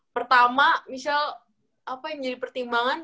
pertama michelle apa yang jadi pertimbangan